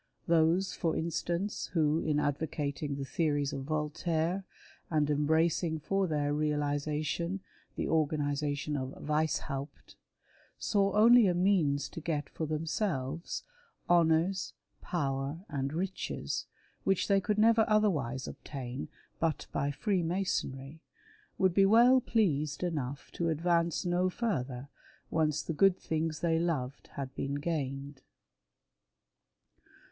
Those, for instance, who in advocating the theories of Voltaire, and embracing for their realisation the organization of Weishaupt, saw only a means to get for them selves honours, power, and riches, which they could never otherwise obtain but by Freemasonry, would be well pleased enough to advance no further, once the good things they loved had been gained.